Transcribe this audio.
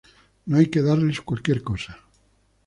No hay que darles cualquier cosa.